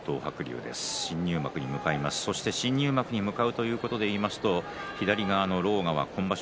そして新入幕に向かうということで言いますと左側の狼雅は今場所